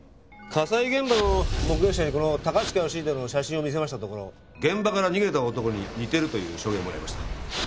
火災現場の目撃者にこの高近義英の写真を見せましたところ現場から逃げた男に似てるという証言を得ました。